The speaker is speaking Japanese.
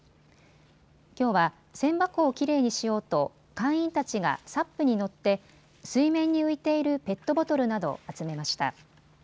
きょうは千波湖をきれいにしようと会員たちがＳＵＰに乗って水面に浮いているペットボトルなどを集めました。